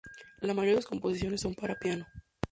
La mayoría de sus composiciones son para piano.